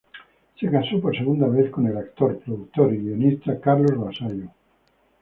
Se casó por segunda vez con el actor, productor y guionista Carlos Vasallo.